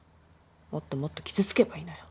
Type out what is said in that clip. もっともっと傷つけばいいのよ。